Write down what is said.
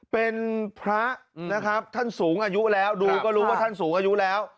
เป็นพระนะครับท่านสูงอายุแล้วดูก็รู้ว่าท่านสูงอายุแล้ว